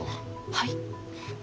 はい？